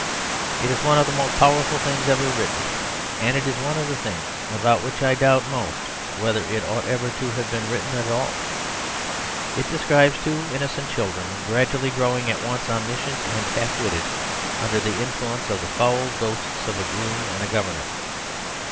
It is one of the most powerful things ever written, and it is one of the things about which I doubt most whether it ought ever to have been written at all. It describes two innocent children gradually growing at once omniscient and half witted under the influence of the foul ghosts of a groom and a governess.